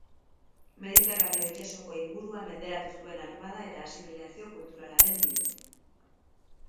Mediterraneo itsasoko ingurua menderatu zuen armada eta asimilazio kulturalaren bidez.